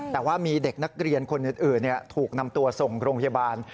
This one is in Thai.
แต่ว่ามีเด็กนักเรียนคนอื่นถูกนำตัวส่งโรงพยาบาล